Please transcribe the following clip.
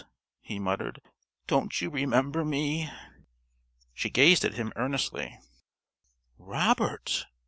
he muttered, "don't you remember me?" She gazed at him earnestly. "Robert!